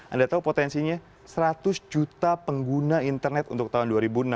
anda tahu potensinya seratus juta pengguna internet untuk tahun dua ribu enam belas